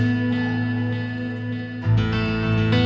oke sampai jumpa